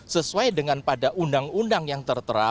sesuai dengan pada undang undang yang tertera